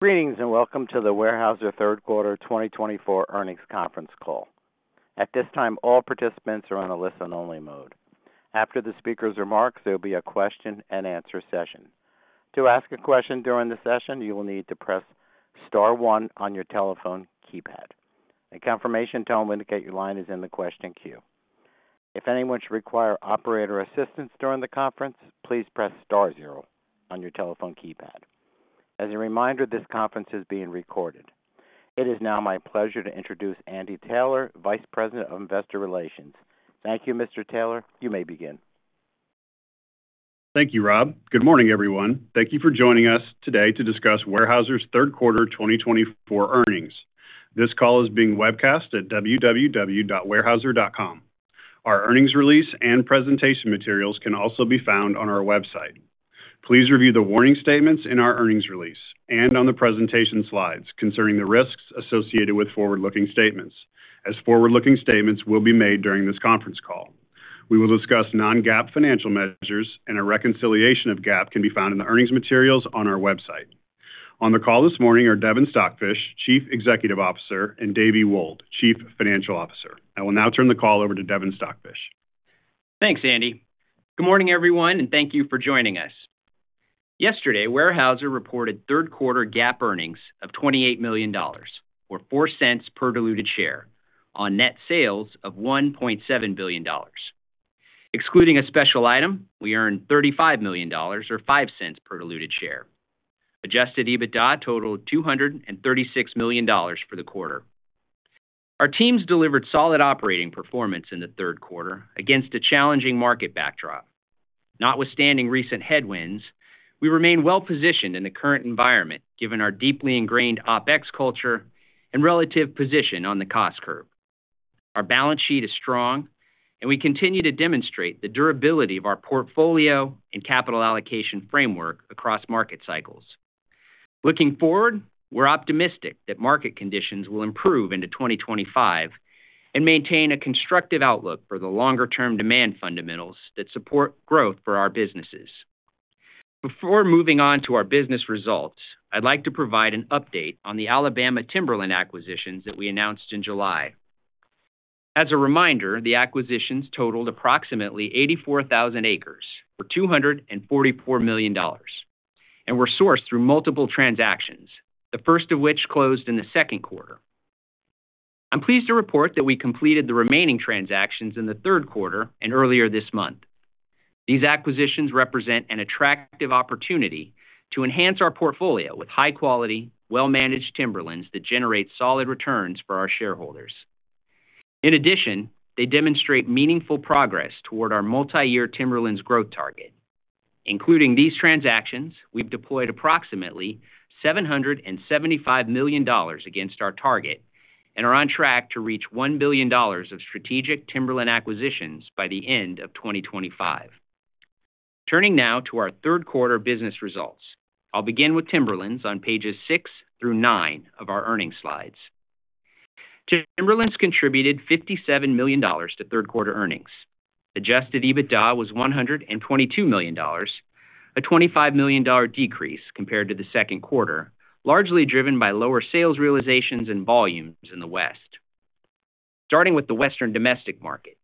Greetings, and welcome to the Weyerhaeuser Third Quarter 2024 Earnings Conference Call. At this time, all participants are on a listen-only mode. After the speaker's remarks, there'll be a question-and-answer session. To ask a question during the session, you will need to press star one on your telephone keypad. A confirmation tone will indicate your line is in the question queue. If anyone should require operator assistance during the conference, please press star zero on your telephone keypad. As a reminder, this conference is being recorded. It is now my pleasure to introduce Andy Taylor, Vice President of Investor Relations. Thank you, Mr. Taylor. You may begin. Thank you, Rob. Good morning, everyone. Thank you for joining us today to discuss Weyerhaeuser's third quarter 2024 earnings. This call is being webcast at www.weyerhaeuser.com. Our earnings release and presentation materials can also be found on our website. Please review the warning statements in our earnings release and on the presentation slides concerning the risks associated with forward-looking statements, as forward-looking statements will be made during this conference call. We will discuss non-GAAP financial measures, and a reconciliation of GAAP can be found in the earnings materials on our website. On the call this morning are Devin Stockfish, Chief Executive Officer, and Davie Wold, Chief Financial Officer. I will now turn the call over to Devin Stockfish. Thanks, Andy. Good morning, everyone, and thank you for joining us. Yesterday, Weyerhaeuser reported third quarter GAAP earnings of $28 million, or $0.04 per diluted share on net sales of $1.7 billion. Excluding a special item, we earned $35 million, or $0.05 per diluted share. Adjusted EBITDA totaled $236 million for the quarter. Our teams delivered solid operating performance in the third quarter against a challenging market backdrop. Notwithstanding recent headwinds, we remain well-positioned in the current environment, given our deeply ingrained OpEx culture and relative position on the cost curve. Our balance sheet is strong, and we continue to demonstrate the durability of our portfolio and capital allocation framework across market cycles. Looking forward, we're optimistic that market conditions will improve into 2025 and maintain a constructive outlook for the longer-term demand fundamentals that support growth for our businesses. Before moving on to our business results, I'd like to provide an update on the Alabama Timberland acquisitions that we announced in July. As a reminder, the acquisitions totaled approximately 84,000 acres for $244 million and were sourced through multiple transactions, the first of which closed in the second quarter. I'm pleased to report that we completed the remaining transactions in the third quarter and earlier this month. These acquisitions represent an attractive opportunity to enhance our portfolio with high-quality, well-managed Timberlands that generate solid returns for our shareholders. In addition, they demonstrate meaningful progress toward our multi-year Timberlands growth target. Including these transactions, we've deployed approximately $775 million against our target and are on track to reach $1 billion of strategic Timberland acquisitions by the end of 2025. Turning now to our third quarter business results. I'll begin with Timberlands on pages 6 through 9 of our earnings slides. Timberlands contributed $57 million to third quarter earnings. Adjusted EBITDA was $122 million, a $25 million decrease compared to the second quarter, largely driven by lower sales realizations and volumes in the West. Starting with the Western domestic market.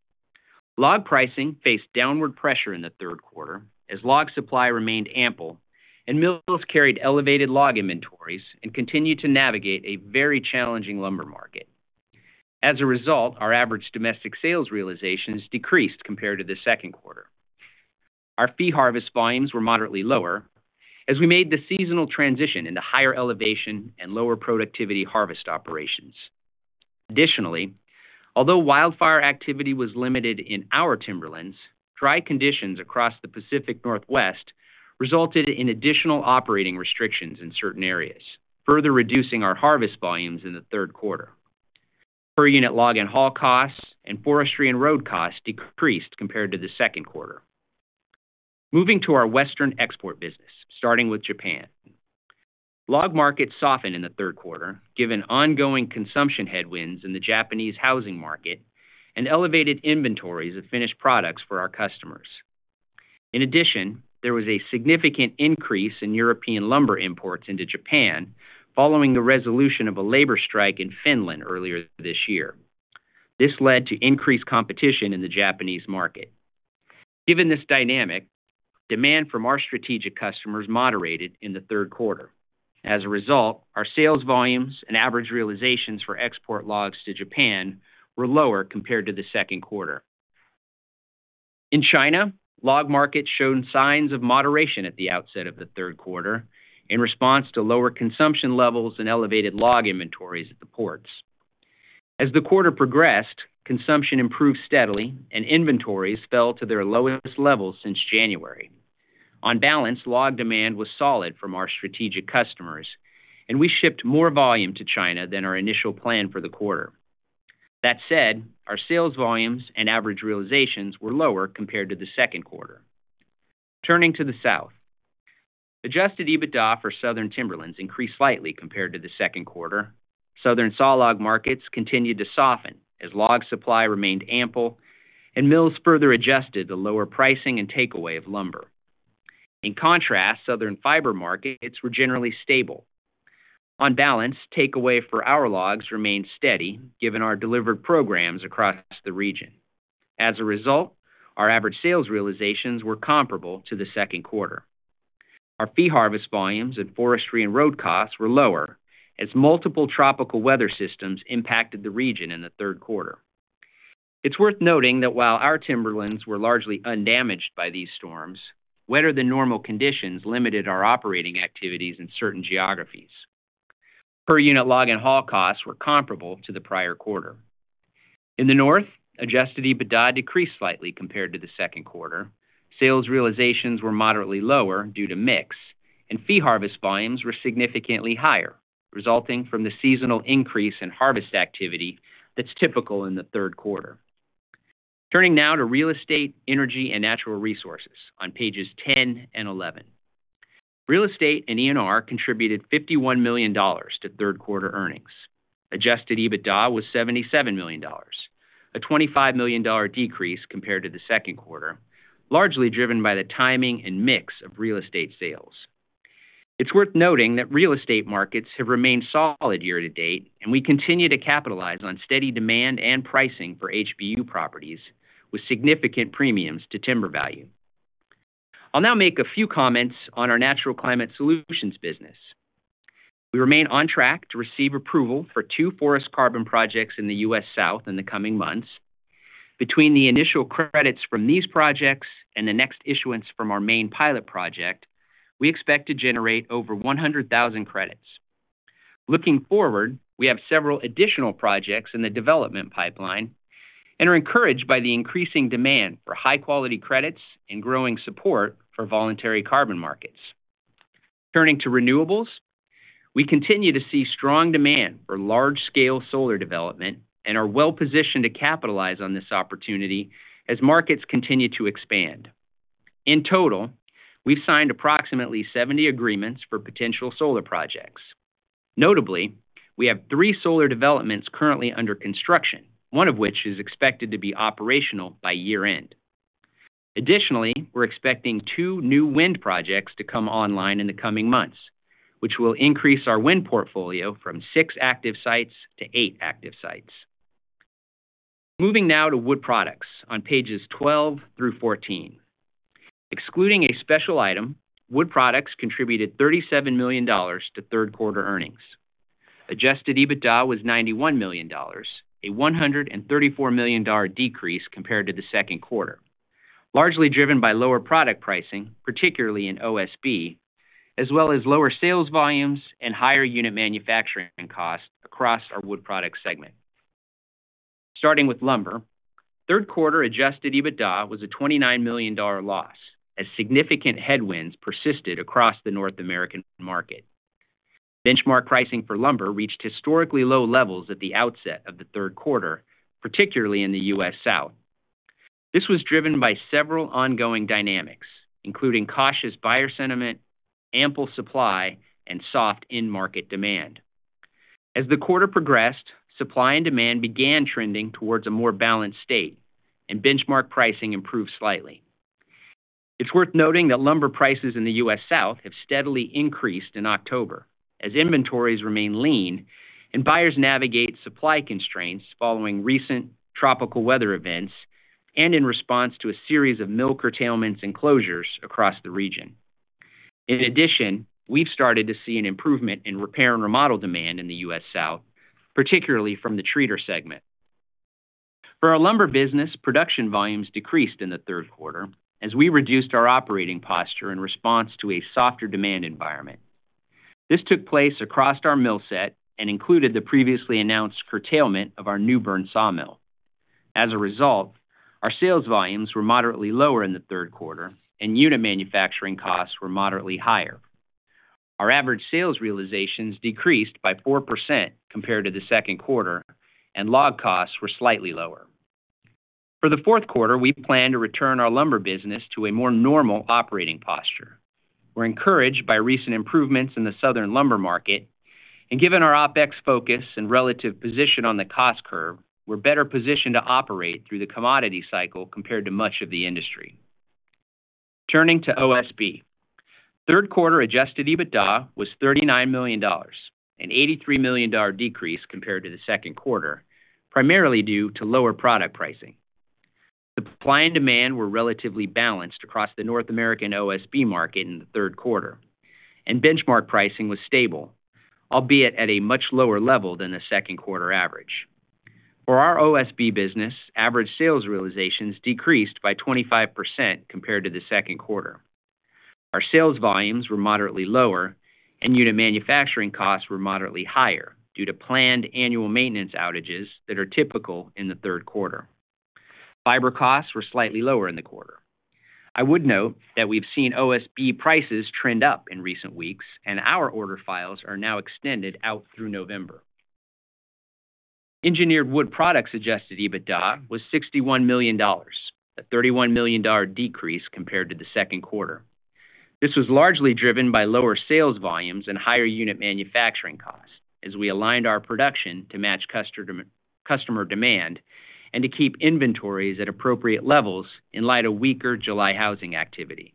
Log pricing faced downward pressure in the third quarter as log supply remained ample and mills carried elevated log inventories and continued to navigate a very challenging lumber market. As a result, our average domestic sales realizations decreased compared to the second quarter. Our Fee harvest volumes were moderately lower as we made the seasonal transition into higher elevation and lower productivity harvest operations. Additionally, although wildfire activity was limited in our Timberlands, dry conditions across the Pacific Northwest resulted in additional operating restrictions in certain areas, further reducing our harvest volumes in the third quarter. Per unit log and haul costs and forestry and road costs decreased compared to the second quarter. Moving to our Western export business, starting with Japan. Log markets softened in the third quarter, given ongoing consumption headwinds in the Japanese housing market and elevated inventories of finished products for our customers. In addition, there was a significant increase in European lumber imports into Japan following the resolution of a labor strike in Finland earlier this year. This led to increased competition in the Japanese market. Given this dynamic, demand from our strategic customers moderated in the third quarter. As a result, our sales volumes and average realizations for export logs to Japan were lower compared to the second quarter. In China, log markets showed signs of moderation at the outset of the third quarter in response to lower consumption levels and elevated log inventories at the ports. As the quarter progressed, consumption improved steadily and inventories fell to their lowest levels since January. On balance, log demand was solid from our strategic customers, and we shipped more volume to China than our initial plan for the quarter. That said, our sales volumes and average realizations were lower compared to the second quarter. Turning to the South. Adjusted EBITDA for Southern Timberlands increased slightly compared to the second quarter... Southern sawlog markets continued to soften as log supply remained ample, and mills further adjusted the lower pricing and takeaway of lumber. In contrast, Southern fiber markets were generally stable. On balance, takeaway for our logs remained steady, given our delivered programs across the region. As a result, our average sales realizations were comparable to the second quarter. Our fee harvest volumes and forestry and road costs were lower as multiple tropical weather systems impacted the region in the third quarter. It's worth noting that while our Timberlands were largely undamaged by these storms, wetter than normal conditions limited our operating activities in certain geographies. Per unit log and haul costs were comparable to the prior quarter. In the North, adjusted EBITDA decreased slightly compared to the second quarter. Sales realizations were moderately lower due to mix, and fee harvest volumes were significantly higher, resulting from the seasonal increase in harvest activity that's typical in the third quarter. Turning now to Real Estate, Energy, and Natural Resources on pages 10 and 11. Real Estate and ENR contributed $51 million to third quarter earnings. Adjusted EBITDA was $77 million, a $25 million decrease compared to the second quarter, largely driven by the timing and mix of real estate sales. It's worth noting that real estate markets have remained solid year to date, and we continue to capitalize on steady demand and pricing for HBU properties, with significant premiums to timber value. I'll now make a few comments on our Natural Climate Solutions business. We remain on track to receive approval for two forest carbon projects in the U.S. South in the coming months. Between the initial credits from these projects and the next issuance from our main pilot project, we expect to generate over 100,000 credits. Looking forward, we have several additional projects in the development pipeline and are encouraged by the increasing demand for high-quality credits and growing support for voluntary carbon markets. Turning to renewables, we continue to see strong demand for large-scale solar development and are well-positioned to capitalize on this opportunity as markets continue to expand. In total, we've signed approximately 70 agreements for potential solar projects. Notably, we have three solar developments currently under construction, one of which is expected to be operational by year-end. Additionally, we're expecting two new wind projects to come online in the coming months, which will increase our wind portfolio from six active sites to eight active sites. Moving now to Wood Products on pages 12 through 14. Excluding a special item, Wood Products contributed $37 million to third-quarter earnings. Adjusted EBITDA was $91 million, a $134 million decrease compared to the second quarter, largely driven by lower product pricing, particularly in OSB, as well as lower sales volumes and higher unit manufacturing costs across our Wood Products segment. Starting with lumber, third quarter adjusted EBITDA was a $29 million loss, as significant headwinds persisted across the North American market. Benchmark pricing for lumber reached historically low levels at the outset of the third quarter, particularly in the U.S. South. This was driven by several ongoing dynamics, including cautious buyer sentiment, ample supply, and soft end market demand. As the quarter progressed, supply and demand began trending towards a more balanced state, and benchmark pricing improved slightly. It's worth noting that lumber prices in the U.S. South have steadily increased in October, as inventories remain lean and buyers navigate supply constraints following recent tropical weather events, and in response to a series of mill curtailments and closures across the region. In addition, we've started to see an improvement in repair and remodel demand in the U.S. South, particularly from the treater segment. For our lumber business, production volumes decreased in the third quarter as we reduced our operating posture in response to a softer demand environment. This took place across our mill set and included the previously announced curtailment of our New Bern sawmill. As a result, our sales volumes were moderately lower in the third quarter, and unit manufacturing costs were moderately higher. Our average sales realizations decreased by 4% compared to the second quarter, and log costs were slightly lower. For the fourth quarter, we plan to return our lumber business to a more normal operating posture. We're encouraged by recent improvements in the Southern lumber market, and given our OpEx focus and relative position on the cost curve, we're better positioned to operate through the commodity cycle compared to much of the industry. Turning to OSB. Third quarter adjusted EBITDA was $39 million, an $83 million decrease compared to the second quarter, primarily due to lower product pricing. Supply and demand were relatively balanced across the North American OSB market in the third quarter, and benchmark pricing was stable, albeit at a much lower level than the second quarter average. For our OSB business, average sales realizations decreased by 25% compared to the second quarter. Our sales volumes were moderately lower, and unit manufacturing costs were moderately higher due to planned annual maintenance outages that are typical in the third quarter. Fiber costs were slightly lower in the quarter. I would note that we've seen OSB prices trend up in recent weeks, and our order files are now extended out through November. Engineered Wood Products Adjusted EBITDA was $61 million, a $31 million decrease compared to the second quarter. This was largely driven by lower sales volumes and higher unit manufacturing costs, as we aligned our production to match customer demand and to keep inventories at appropriate levels in light of weaker July housing activity.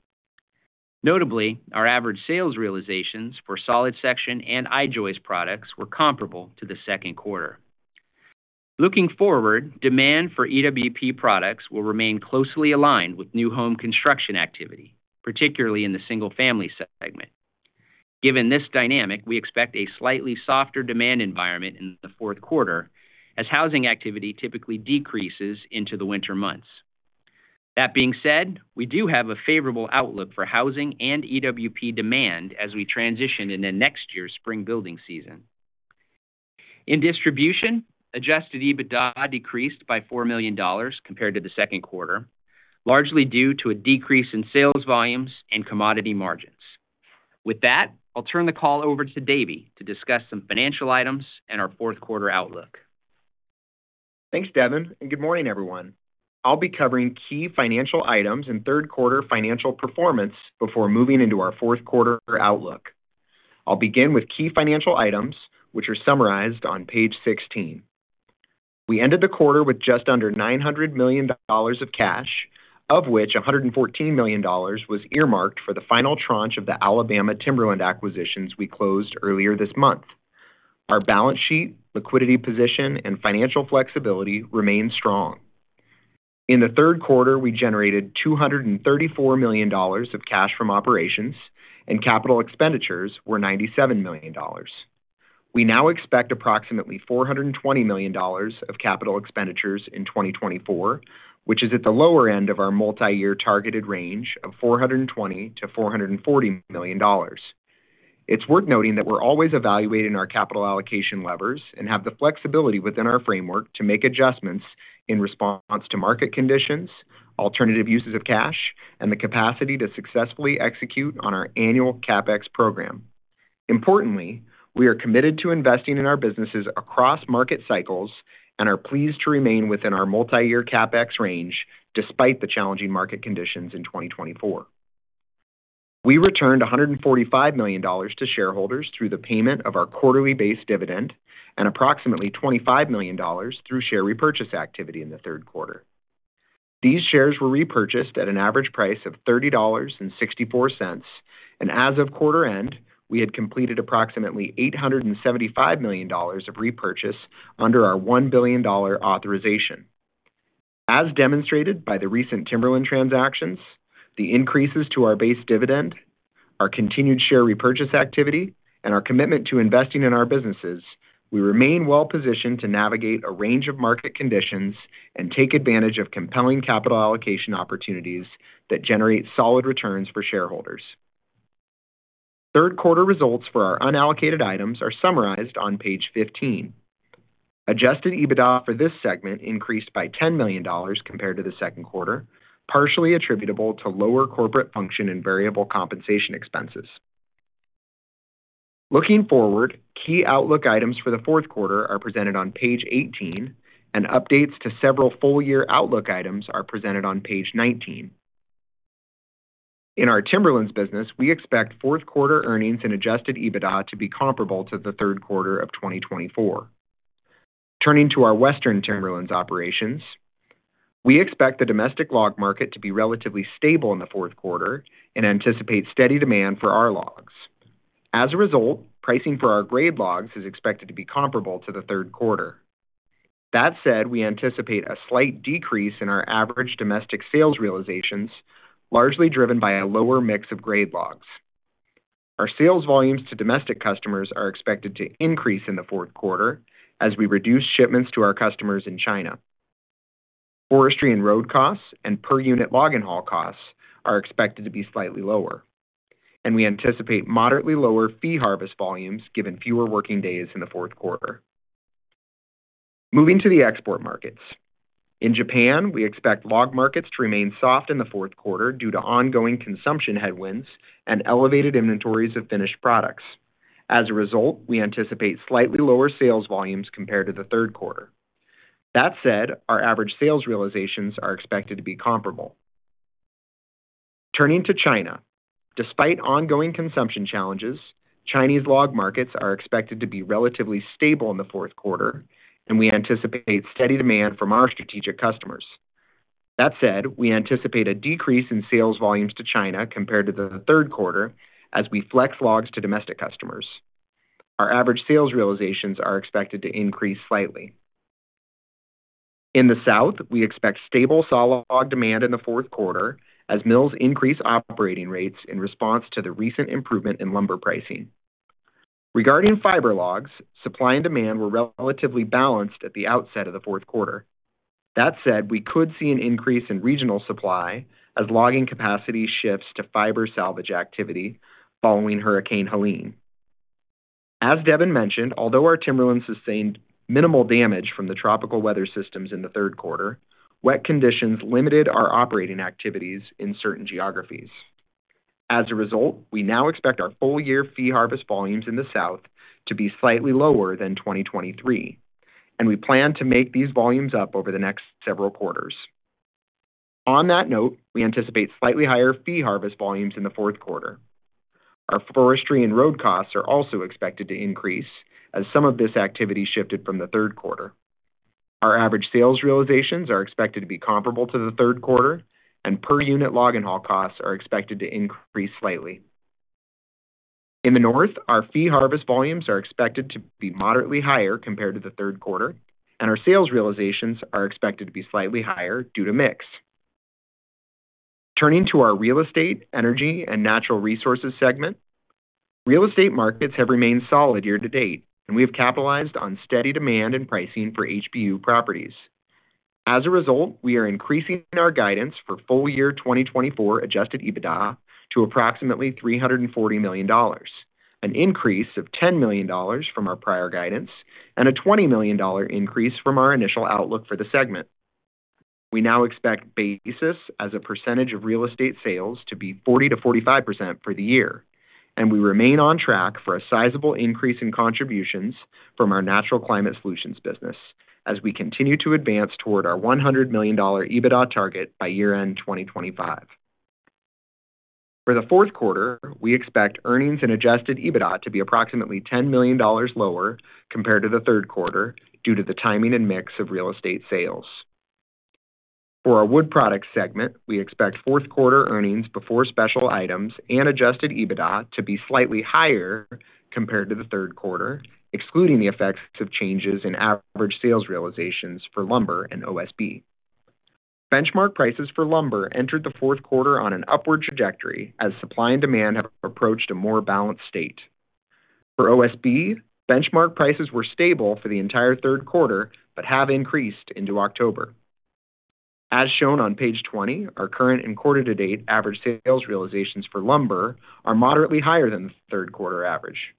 Notably, our average sales realizations for solid section and I-joist products were comparable to the second quarter. Looking forward, demand for EWP products will remain closely aligned with new home construction activity, particularly in the single-family segment. Given this dynamic, we expect a slightly softer demand environment in the fourth quarter as housing activity typically decreases into the winter months. That being said, we do have a favorable outlook for housing and EWP demand as we transition into next year's spring building season. In Distribution, adjusted EBITDA decreased by $4 million compared to the second quarter, largely due to a decrease in sales volumes and commodity margins. With that, I'll turn the call over to Davie to discuss some financial items and our fourth quarter outlook. Thanks, Devin, and good morning, everyone. I'll be covering key financial items and third quarter financial performance before moving into our fourth quarter outlook. I'll begin with key financial items, which are summarized on page 16. We ended the quarter with just under $900 million of cash, of which $114 million was earmarked for the final tranche of the Alabama Timberlands acquisitions we closed earlier this month. Our balance sheet, liquidity position, and financial flexibility remain strong. In the third quarter, we generated $234 million of cash from operations, and capital expenditures were $97 million. We now expect approximately $420 million of capital expenditures in 2024, which is at the lower end of our multiyear targeted range of $420 million to $440 million. It's worth noting that we're always evaluating our capital allocation levers and have the flexibility within our framework to make adjustments in response to market conditions, alternative uses of cash, and the capacity to successfully execute on our annual CapEx program. Importantly, we are committed to investing in our businesses across market cycles and are pleased to remain within our multiyear CapEx range despite the challenging market conditions in 2024. We returned $145 million to shareholders through the payment of our quarterly base dividend and approximately $25 million through share repurchase activity in the third quarter. These shares were repurchased at an average price of $30.64, and as of quarter end, we had completed approximately $875 million of repurchase under our $1 billion authorization. As demonstrated by the recent Timberland transactions, the increases to our base dividend, our continued share repurchase activity, and our commitment to investing in our businesses, we remain well positioned to navigate a range of market conditions and take advantage of compelling capital allocation opportunities that generate solid returns for shareholders. Third quarter results for our unallocated items are summarized on page 15. Adjusted EBITDA for this segment increased by $10 million compared to the second quarter, partially attributable to lower corporate function and variable compensation expenses. Looking forward, key outlook items for the fourth quarter are presented on page 18, and updates to several full-year outlook items are presented on page 19. In our Timberlands business, we expect fourth quarter earnings and adjusted EBITDA to be comparable to the third quarter of 2024. Turning to our Western Timberlands operations, we expect the domestic log market to be relatively stable in the fourth quarter and anticipate steady demand for our logs. As a result, pricing for our grade logs is expected to be comparable to the third quarter. That said, we anticipate a slight decrease in our average domestic sales realizations, largely driven by a lower mix of grade logs. Our sales volumes to domestic customers are expected to increase in the fourth quarter as we reduce shipments to our customers in China. Forestry and road costs and per-unit log and haul costs are expected to be slightly lower, and we anticipate moderately lower fee harvest volumes given fewer working days in the fourth quarter. Moving to the export markets. In Japan, we expect log markets to remain soft in the fourth quarter due to ongoing consumption headwinds and elevated inventories of finished products. As a result, we anticipate slightly lower sales volumes compared to the third quarter. That said, our average sales realizations are expected to be comparable. Turning to China. Despite ongoing consumption challenges, Chinese log markets are expected to be relatively stable in the fourth quarter, and we anticipate steady demand from our strategic customers. That said, we anticipate a decrease in sales volumes to China compared to the third quarter as we flex logs to domestic customers. Our average sales realizations are expected to increase slightly. In the South, we expect stable solid log demand in the fourth quarter as mills increase operating rates in response to the recent improvement in lumber pricing. Regarding fiber logs, supply and demand were relatively balanced at the outset of the fourth quarter. That said, we could see an increase in regional supply as logging capacity shifts to fiber salvage activity following Hurricane Helene. As Devin mentioned, although our Timberlands sustained minimal damage from the tropical weather systems in the third quarter, wet conditions limited our operating activities in certain geographies. As a result, we now expect our full year fee harvest volumes in the South to be slightly lower than 2023, and we plan to make these volumes up over the next several quarters. On that note, we anticipate slightly higher fee harvest volumes in the fourth quarter. Our forestry and road costs are also expected to increase as some of this activity shifted from the third quarter. Our average sales realizations are expected to be comparable to the third quarter, and per unit log and haul costs are expected to increase slightly. In the north, our fee harvest volumes are expected to be moderately higher compared to the third quarter, and our sales realizations are expected to be slightly higher due to mix. Turning to our Real Estate, Energy, and Natural Resources segment. Real estate markets have remained solid year to date, and we have capitalized on steady demand and pricing for HBU properties. As a result, we are increasing our guidance for full-year 2024 Adjusted EBITDA to approximately $340 million, an increase of $10 million from our prior guidance and a $20 million increase from our initial outlook for the segment. We now expect basis as a percentage of real estate sales to be 40%-45% for the year, and we remain on track for a sizable increase in contributions from our Natural Climate Solutions business as we continue to advance toward our $100 million EBITDA target by year-end 2025. For the fourth quarter, we expect earnings and adjusted EBITDA to be approximately $10 million lower compared to the third quarter, due to the timing and mix of real estate sales. For our Wood Products segment, we expect fourth quarter earnings before special items and adjusted EBITDA to be slightly higher compared to the third quarter, excluding the effects of changes in average sales realizations for lumber and OSB. Benchmark prices for lumber entered the fourth quarter on an upward trajectory as supply and demand have approached a more balanced state. For OSB, benchmark prices were stable for the entire third quarter, but have increased into October. As shown on page twenty, our current and quarter-to-date average sales realizations for lumber are moderately higher than the third quarter average.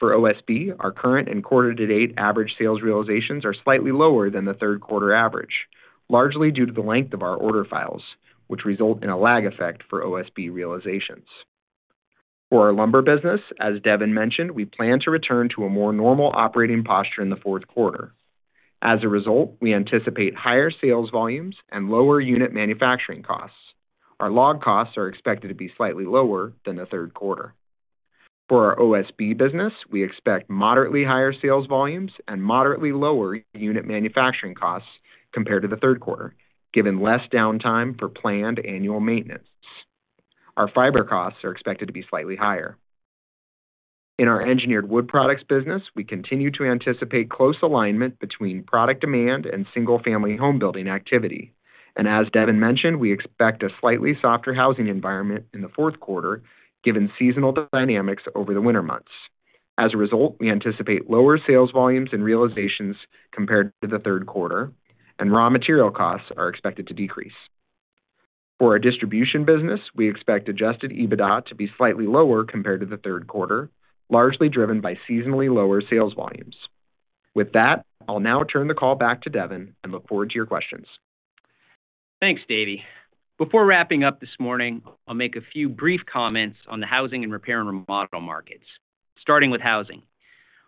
For OSB, our current and quarter-to-date average sales realizations are slightly lower than the third quarter average, largely due to the length of our order files, which result in a lag effect for OSB realizations. For our lumber business, as Devin mentioned, we plan to return to a more normal operating posture in the fourth quarter. As a result, we anticipate higher sales volumes and lower unit manufacturing costs. Our log costs are expected to be slightly lower than the third quarter. For our OSB business, we expect moderately higher sales volumes and moderately lower unit manufacturing costs compared to the third quarter, given less downtime for planned annual maintenance. Our fiber costs are expected to be slightly higher. In our Engineered Wood Products business, we continue to anticipate close alignment between product demand and single-family home building activity, and as Devin mentioned, we expect a slightly softer housing environment in the fourth quarter, given seasonal dynamics over the winter months. As a result, we anticipate lower sales volumes and realizations compared to the third quarter, and raw material costs are expected to decrease. For our Distribution business, we expect adjusted EBITDA to be slightly lower compared to the third quarter, largely driven by seasonally lower sales volumes. With that, I'll now turn the call back to Devin and look forward to your questions. Thanks, Davie. Before wrapping up this morning, I'll make a few brief comments on the housing and repair and remodel markets, starting with housing.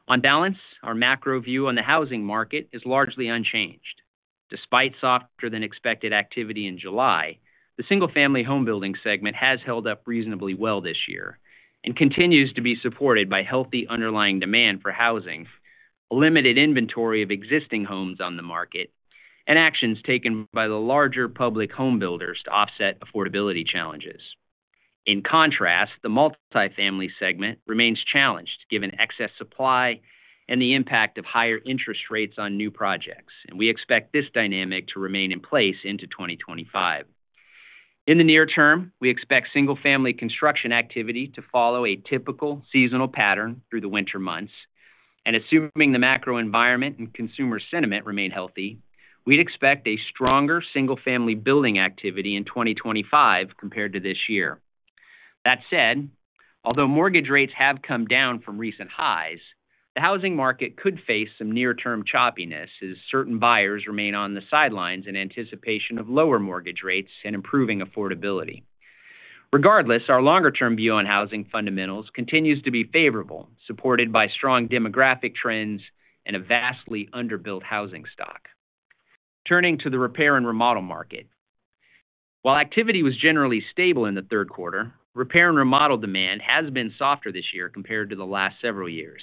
On balance, our macro view on the housing market is largely unchanged. Despite softer than expected activity in July, the single-family home building segment has held up reasonably well this year and continues to be supported by healthy underlying demand for housing, a limited inventory of existing homes on the market, and actions taken by the larger public home builders to offset affordability challenges. In contrast, the multifamily segment remains challenged, given excess supply and the impact of higher interest rates on new projects, and we expect this dynamic to remain in place into 2025. In the near term, we expect single-family construction activity to follow a typical seasonal pattern through the winter months, and assuming the macro environment and consumer sentiment remain healthy, we'd expect a stronger single-family building activity in 2025 compared to this year. That said, although mortgage rates have come down from recent highs, the housing market could face some near-term choppiness as certain buyers remain on the sidelines in anticipation of lower mortgage rates and improving affordability. Regardless, our longer-term view on housing fundamentals continues to be favorable, supported by strong demographic trends and a vastly underbuilt housing stock. Turning to the repair and remodel market. While activity was generally stable in the third quarter, repair and remodel demand has been softer this year compared to the last several years,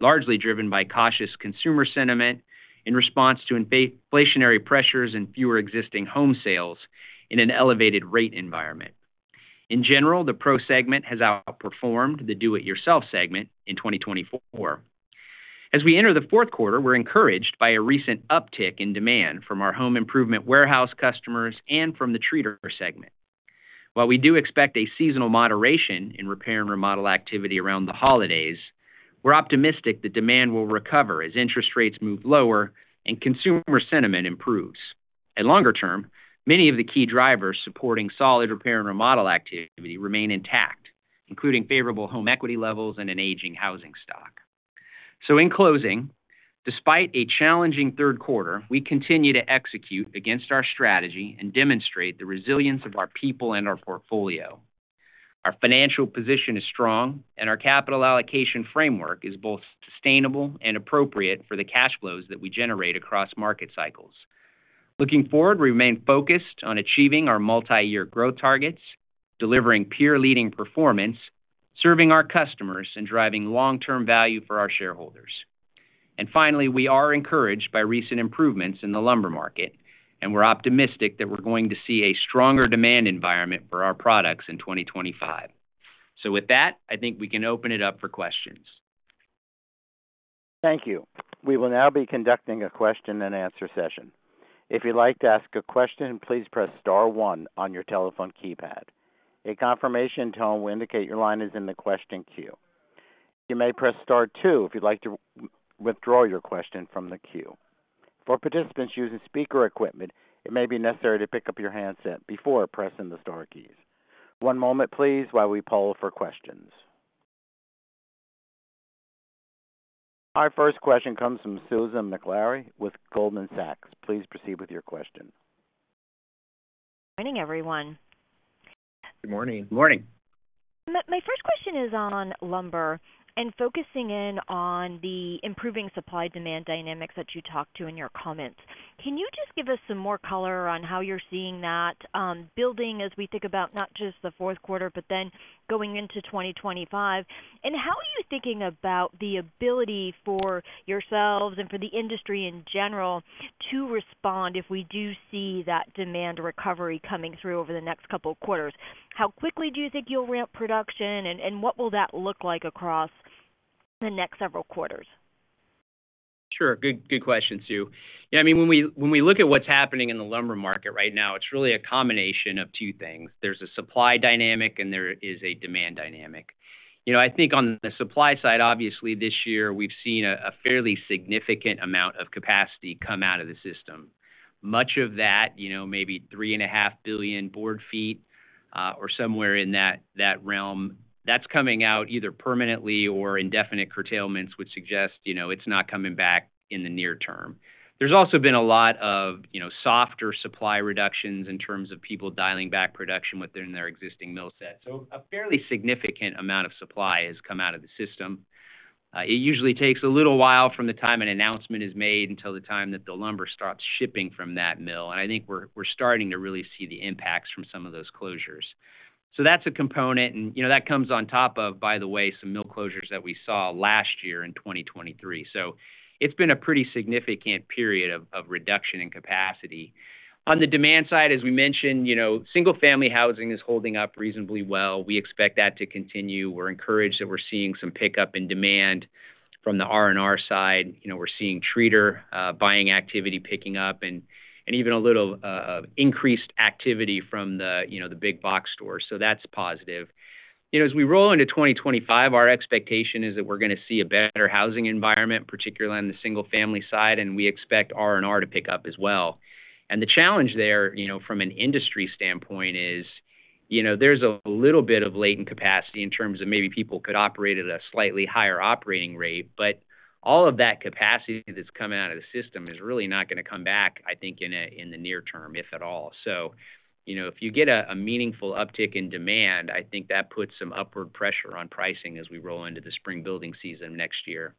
largely driven by cautious consumer sentiment in response to inflationary pressures and fewer existing home sales in an elevated rate environment. In general, the pro segment has outperformed the do-it-yourself segment in 2024. As we enter the fourth quarter, we're encouraged by a recent uptick in demand from our home improvement warehouse customers and from the treater segment. While we do expect a seasonal moderation in repair and remodel activity around the holidays, we're optimistic that demand will recover as interest rates move lower and consumer sentiment improves, and longer term, many of the key drivers supporting solid repair and remodel activity remain intact, including favorable home equity levels and an aging housing stock.... So in closing, despite a challenging third quarter, we continue to execute against our strategy and demonstrate the resilience of our people and our portfolio. Our financial position is strong, and our capital allocation framework is both sustainable and appropriate for the cash flows that we generate across market cycles. Looking forward, we remain focused on achieving our multi-year growth targets, delivering peer-leading performance, serving our customers, and driving long-term value for our shareholders. And finally, we are encouraged by recent improvements in the lumber market, and we're optimistic that we're going to see a stronger demand environment for our products in 2025. So with that, I think we can open it up for questions. Thank you. We will now be conducting a question-and-answer session. If you'd like to ask a question, please press star one on your telephone keypad. A confirmation tone will indicate your line is in the question queue. You may press star two if you'd like to withdraw your question from the queue. For participants using speaker equipment, it may be necessary to pick up your handset before pressing the star keys. One moment, please, while we poll for questions. Our first question comes from Susan Maklari with Goldman Sachs. Please proceed with your question. Morning, everyone. Good morning. Good morning. My first question is on lumber and focusing in on the improving supply-demand dynamics that you talked to in your comments. Can you just give us some more color on how you're seeing that building as we think about not just the fourth quarter, but then going into 2025? How are you thinking about the ability for yourselves and for the industry in general to respond if we do see that demand recovery coming through over the next couple of quarters? How quickly do you think you'll ramp production, and what will that look like across the next several quarters? Sure. Good, good question, Sue. Yeah, I mean, when we look at what's happening in the lumber market right now, it's really a combination of two things: There's a supply dynamic, and there is a demand dynamic. You know, I think on the supply side, obviously, this year we've seen a fairly significant amount of capacity come out of the system. Much of that, you know, maybe three and a half billion board feet, or somewhere in that realm, that's coming out either permanently or indefinite curtailments, which suggest, you know, it's not coming back in the near term. There's also been a lot of, you know, softer supply reductions in terms of people dialing back production within their existing mill set, so a fairly significant amount of supply has come out of the system. It usually takes a little while from the time an announcement is made until the time that the lumber starts shipping from that mill, and I think we're starting to really see the impacts from some of those closures. So that's a component, and, you know, that comes on top of, by the way, some mill closures that we saw last year in 2023. So it's been a pretty significant period of reduction in capacity. On the demand side, as we mentioned, you know, single-family housing is holding up reasonably well. We expect that to continue. We're encouraged that we're seeing some pickup in demand from the R&R side. You know, we're seeing treater buying activity picking up and even a little increased activity from the, you know, the big box stores. So that's positive. You know, as we roll into 2025, our expectation is that we're going to see a better housing environment, particularly on the single-family side, and we expect R&R to pick up as well. And the challenge there, you know, from an industry standpoint is, you know, there's a little bit of latent capacity in terms of maybe people could operate at a slightly higher operating rate, but all of that capacity that's coming out of the system is really not going to come back, I think, in the near term, if at all. So, you know, if you get a meaningful uptick in demand, I think that puts some upward pressure on pricing as we roll into the spring building season next year.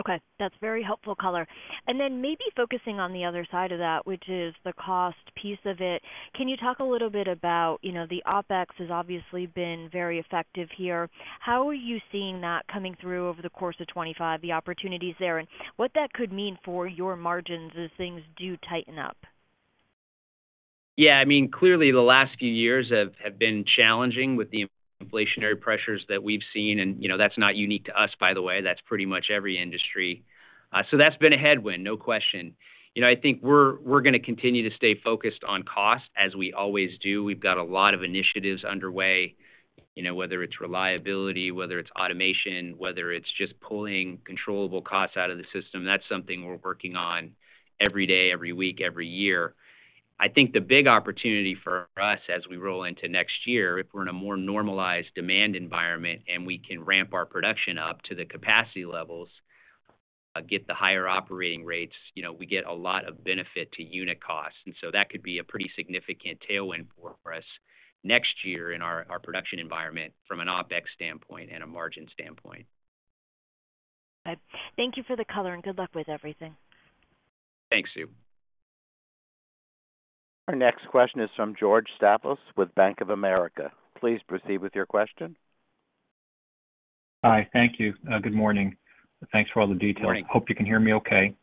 Okay, that's very helpful color. And then maybe focusing on the other side of that, which is the cost piece of it, can you talk a little bit about, you know, the OpEx has obviously been very effective here. How are you seeing that coming through over the course of 2025, the opportunities there, and what that could mean for your margins as things do tighten up? Yeah, I mean, clearly, the last few years have been challenging with the inflationary pressures that we've seen, and, you know, that's not unique to us, by the way. That's pretty much every industry. So that's been a headwind, no question. You know, I think we're gonna continue to stay focused on cost, as we always do. We've got a lot of initiatives underway, you know, whether it's reliability, whether it's automation, whether it's just pulling controllable costs out of the system, that's something we're working on every day, every week, every year. I think the big opportunity for us as we roll into next year, if we're in a more normalized demand environment, and we can ramp our production up to the capacity levels, get the higher operating rates, you know, we get a lot of benefit to unit costs, and so that could be a pretty significant tailwind for us next year in our production environment from an OpEx standpoint and a margin standpoint. Thank you for the color, and good luck with everything. Thanks, Sue. Our next question is from George Staphos with Bank of America. Please proceed with your question. Hi. Thank you. Good morning. Thanks for all the details. Hope you can hear me okay.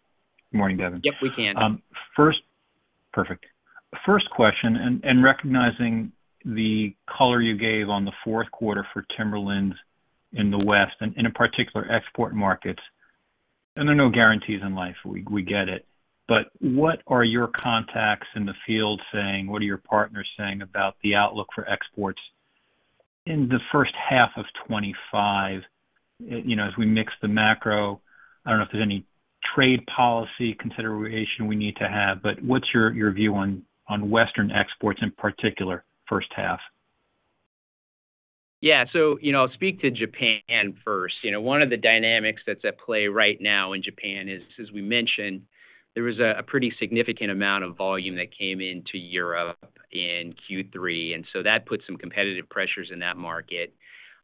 Good morning, Devin. Yep, we can. First. Perfect. First question, and recognizing the color you gave on the fourth quarter for Timberlands in the West and in particular export markets, and there are no guarantees in life, we get it, but what are your contacts in the field saying? What are your partners saying about the outlook for exports in the first half of twenty-five? You know, as we mix the macro, I don't know if there's any trade policy consideration we need to have, but what's your view on Western exports in particular, first half? Yeah. So, you know, I'll speak to Japan first. You know, one of the dynamics that's at play right now in Japan is, as we mentioned, there was a pretty significant amount of volume that came into Europe in Q3, and so that put some competitive pressures in that market.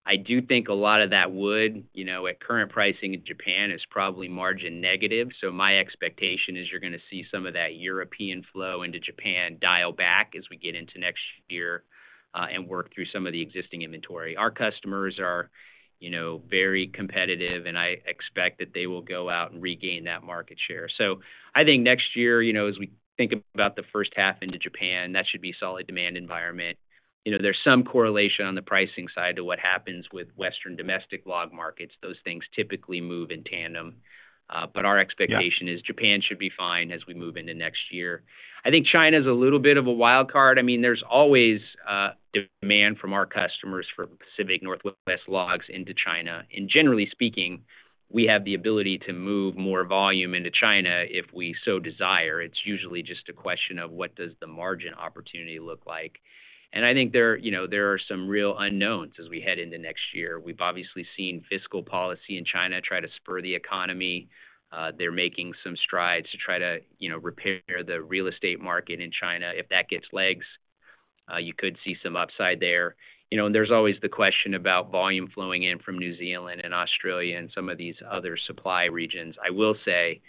I do think a lot of that wood, you know, at current pricing in Japan, is probably margin negative. So my expectation is you're gonna see some of that European flow into Japan dial back as we get into next year, and work through some of the existing inventory. Our customers are, you know, very competitive, and I expect that they will go out and regain that market share. So I think next year, you know, as we think about the first half into Japan, that should be solid demand environment. You know, there's some correlation on the pricing side to what happens with Western domestic log markets. Those things typically move in tandem. But our expectation- Yeah is Japan should be fine as we move into next year. I think China's a little bit of a wild card. I mean, there's always, demand from our customers for Pacific Northwest logs into China. And generally speaking, we have the ability to move more volume into China if we so desire. It's usually just a question of what does the margin opportunity look like? And I think there, you know, there are some real unknowns as we head into next year. We've obviously seen fiscal policy in China try to spur the economy. They're making some strides to try to, you know, repair the real estate market in China. If that gets legs, you could see some upside there. You know, and there's always the question about volume flowing in from New Zealand and Australia and some of these other supply regions. I will say,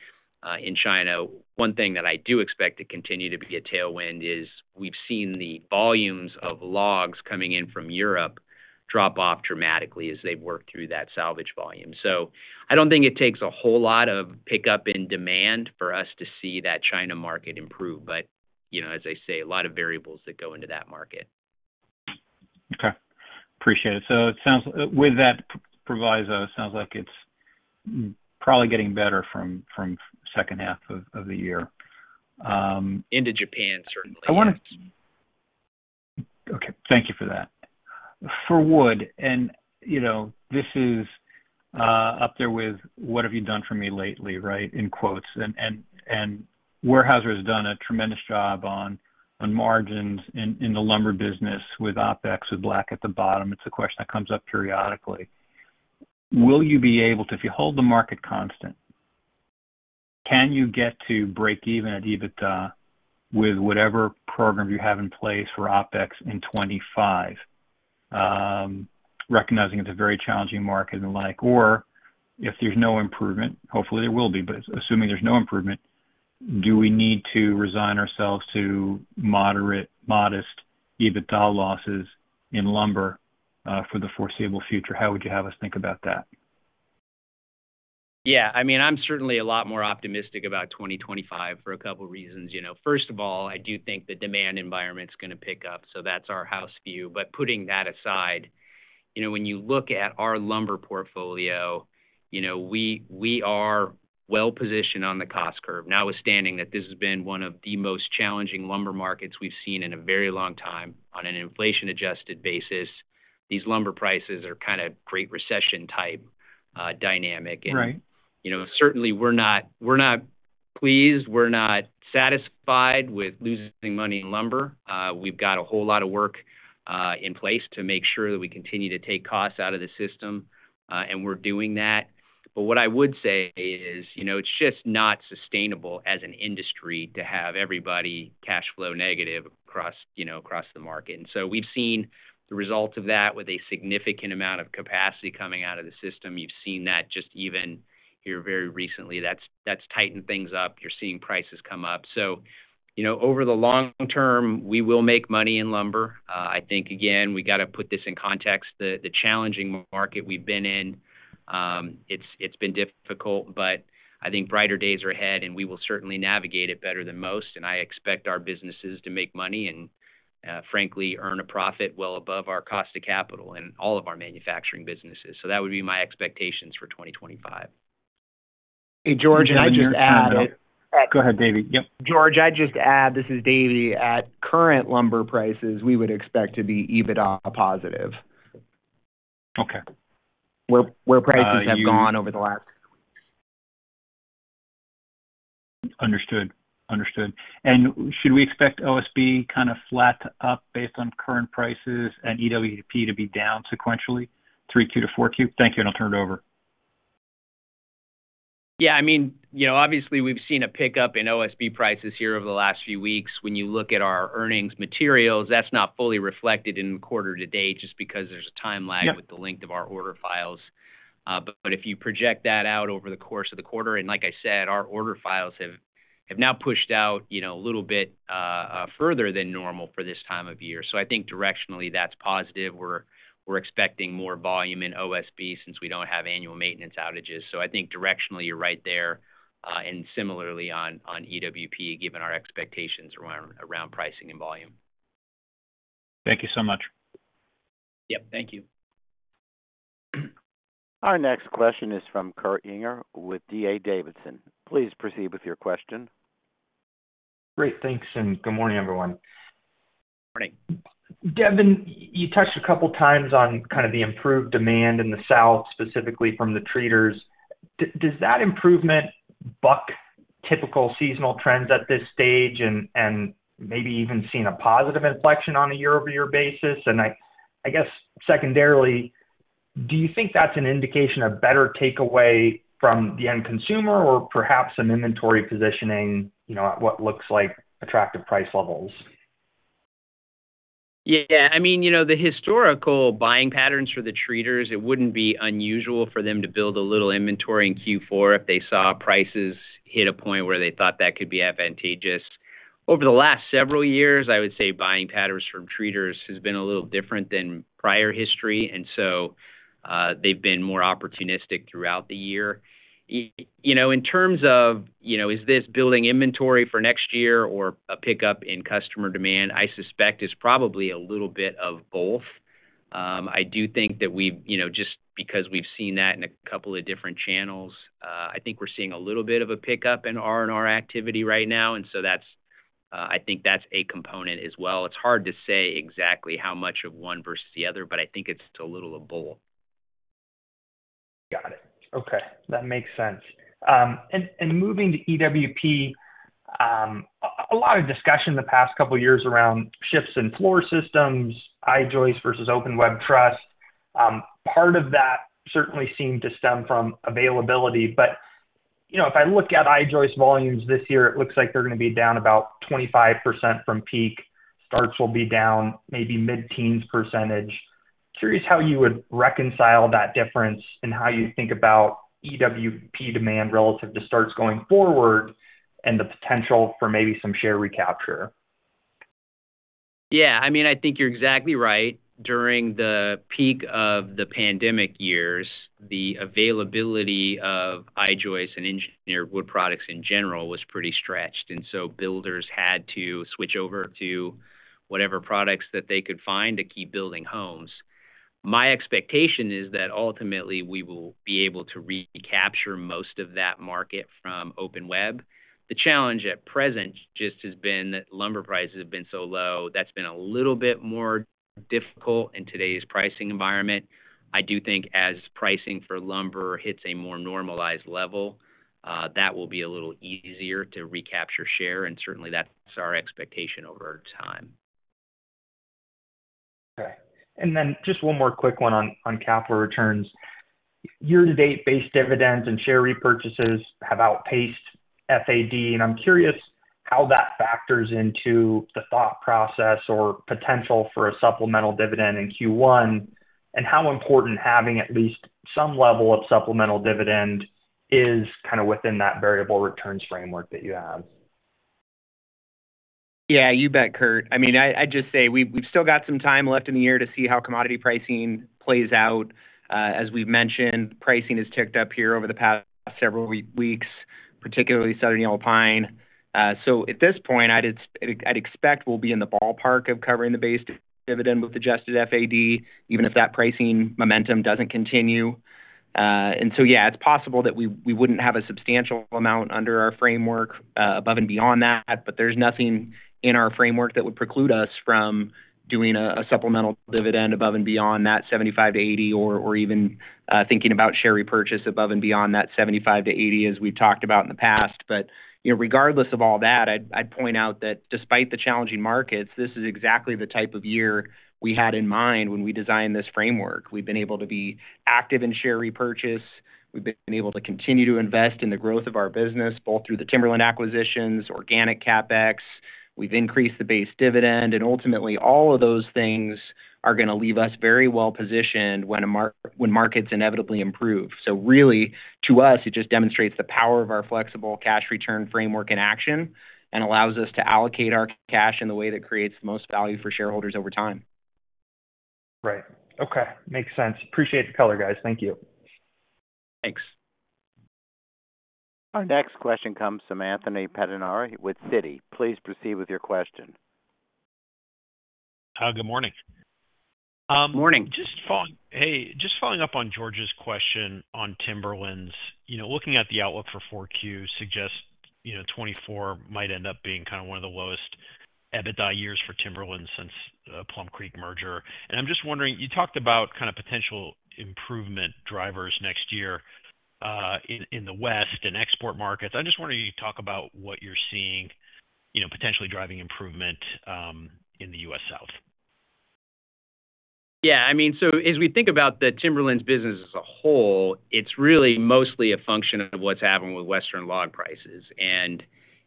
in China, one thing that I do expect to continue to be a tailwind is, we've seen the volumes of logs coming in from Europe drop off dramatically as they've worked through that salvage volume. So I don't think it takes a whole lot of pickup in demand for us to see that China market improve, but, you know, as I say, a lot of variables that go into that market. Okay, appreciate it. So it sounds, with that proviso, it sounds like it's probably getting better from the second half of the year. Into Japan, certainly. Okay, thank you for that. For wood, and, you know, this is up there with, "What have you done for me lately," right, in quotes, and Weyerhaeuser has done a tremendous job on margins in the lumber business with OpEx with black at the bottom. It's a question that comes up periodically. Will you be able to? If you hold the market constant, can you get to break even at EBITDA with whatever program you have in place for OpEx in 2025? Recognizing it's a very challenging market and like, or if there's no improvement, hopefully there will be, but assuming there's no improvement, do we need to resign ourselves to moderate, modest EBITDA losses in lumber for the foreseeable future? How would you have us think about that? Yeah, I mean, I'm certainly a lot more optimistic about 2025 for a couple reasons. You know, first of all, I do think the demand environment's gonna pick up, so that's our house view. But putting that aside, you know, when you look at our lumber portfolio, you know, we are well positioned on the cost curve. Notwithstanding that, this has been one of the most challenging lumber markets we've seen in a very long time. On an inflation-adjusted basis, these lumber prices are kind of Great Recession-type, dynamic and- Right. You know, certainly we're not, we're not pleased, we're not satisfied with losing money in lumber. We've got a whole lot of work in place to make sure that we continue to take costs out of the system, and we're doing that. But what I would say is, you know, it's just not sustainable as an industry to have everybody cash flow negative across, you know, across the market. And so we've seen the results of that with a significant amount of capacity coming out of the system. You've seen that just even here very recently. That's, that's tightened things up. You're seeing prices come up. So, you know, over the long term, we will make money in lumber. I think, again, we got to put this in context. The challenging market we've been in, it's been difficult, but I think brighter days are ahead, and we will certainly navigate it better than most, and I expect our businesses to make money and, frankly, earn a profit well above our cost of capital in all of our manufacturing businesses. So that would be my expectations for 2025. Hey, George, can I just add- Go ahead, Davie. Yep. George, I'd just add, this is Davie. At current lumber prices, we would expect to be EBITDA positive. Okay. Where prices have gone over the last- Understood. Understood, and should we expect OSB kind of flat to up based on current prices and EWP to be down sequentially, three Q to four Q? Thank you, and I'll turn it over. Yeah, I mean, you know, obviously we've seen a pickup in OSB prices here over the last few weeks. When you look at our earnings materials, that's not fully reflected in the quarter to date, just because there's a time lag- Yeah with the length of our order files. But if you project that out over the course of the quarter, and like I said, our order files have now pushed out, you know, a little bit further than normal for this time of year. So I think directionally, that's positive. We're expecting more volume in OSB since we don't have annual maintenance outages. So I think directionally, you're right there, and similarly on EWP, given our expectations around pricing and volume. Thank you so much. Yep, thank you. Our next question is from Kurt Yinger with D.A. Davidson. Please proceed with your question. Great. Thanks, and good morning, everyone. Morning. Devin, you touched a couple of times on kind of the improved demand in the South, specifically from the treaters. Does that improvement buck the typical seasonal trends at this stage and maybe even seeing a positive inflection on a year-over-year basis? And I guess secondarily, do you think that's an indication of better takeaway from the end consumer or perhaps some inventory positioning, you know, at what looks like attractive price levels? Yeah, I mean, you know, the historical buying patterns for the treaters, it wouldn't be unusual for them to build a little inventory in Q4 if they saw prices hit a point where they thought that could be advantageous. Over the last several years, I would say buying patterns from treaters has been a little different than prior history, and so, they've been more opportunistic throughout the year. You know, in terms of, you know, is this building inventory for next year or a pickup in customer demand? I suspect it's probably a little bit of both. I do think that we've you know, just because we've seen that in a couple of different channels, I think we're seeing a little bit of a pickup in R&R activity right now, and so that's, I think that's a component as well. It's hard to say exactly how much of one versus the other, but I think it's a little of both. Got it. Okay, that makes sense, and moving to EWP, a lot of discussion in the past couple of years around shifts in floor systems, I-joist versus open web truss. Part of that certainly seemed to stem from availability, but, you know, if I look at I-joist volumes this year, it looks like they're gonna be down about 25% from peak. Starts will be down, maybe mid-teens %. Curious how you would reconcile that difference and how you think about EWP demand relative to starts going forward, and the potential for maybe some share recapture. Yeah, I mean, I think you're exactly right. During the peak of the pandemic years, the availability of I-joist and Engineered Wood Products in general was pretty stretched, and so builders had to switch over to whatever products that they could find to keep building homes. My expectation is that ultimately we will be able to recapture most of that market from open web. The challenge at present just has been that lumber prices have been so low, that's been a little bit more difficult in today's pricing environment. I do think as pricing for lumber hits a more normalized level, that will be a little easier to recapture share, and certainly that's our expectation over time. Okay. And then just one more quick one on capital returns. Year-to-date base dividends and share repurchases have outpaced FAD, and I'm curious how that factors into the thought process or potential for a supplemental dividend in Q1, and how important having at least some level of supplemental dividend is kind of within that variable returns framework that you have. Yeah, you bet, Kurt. I mean, I'd just say we've still got some time left in the year to see how commodity pricing plays out. As we've mentioned, pricing has ticked up here over the past several weeks, particularly Southern pine. So at this point, I'd expect we'll be in the ballpark of covering the base dividend with Adjusted FAD, even if that pricing momentum doesn't continue. And so, yeah, it's possible that we wouldn't have a substantial amount under our framework above and beyond that, but there's nothing in our framework that would preclude us from doing a supplemental dividend above and beyond that seventy-five to eighty or even thinking about share repurchase above and beyond that seventy-five to eighty, as we've talked about in the past. But, you know, regardless of all that, I'd point out that despite the challenging markets, this is exactly the type of year we had in mind when we designed this framework. We've been able to be active in share repurchase, we've been able to continue to invest in the growth of our business, both through the Timberland acquisitions, organic CapEx. We've increased the base dividend, and ultimately, all of those things are gonna leave us very well positioned when markets inevitably improve. So really, to us, it just demonstrates the power of our flexible cash return framework in action, and allows us to allocate our cash in the way that creates the most value for shareholders over time. Right. Okay, makes sense. Appreciate the color, guys. Thank you. Thanks. Our next question comes from Anthony Pettinari with Citi. Please proceed with your question. Good morning. Morning. Hey, just following up on George's question on Timberlands. You know, looking at the outlook for 4Q suggests, you know, 2024 might end up being kind of one of the lowest EBITDA years for Timberland since Plum Creek merger. And I'm just wondering, you talked about kind of potential improvement drivers next year in the West and export markets. I just wonder you talk about what you're seeing, you know, potentially driving improvement in the U.S. South. Yeah, I mean, so as we think about the Timberlands business as a whole, it's really mostly a function of what's happening with Western log prices. And,